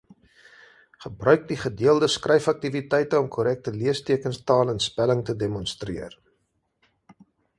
Gebruik die gedeelde skryfaktiwiteite om korrekte leestekens, taal en spelling te demonstreer.